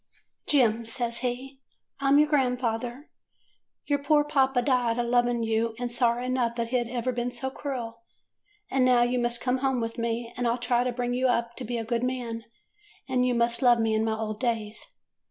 " 'Jem,' says he, T 'm your grandfather. Your poor papa died a loving you, and sorry enough that he 'd ever been so cruel. And now you must come home with me, and I 'll try to bring you up to be a good man, and you must love me in my old days.